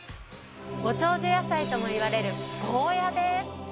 ご長寿野菜ともいわれるゴーヤです。